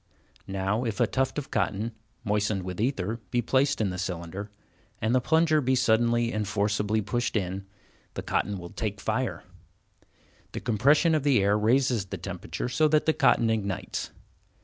Now if a tuft of cotton, moistened with ether, be placed in the cylinder, and the plunger be suddenly and forcibly pushed in, the cotton will take fire. The compression of the air raises the temperature so that the cotton ignites.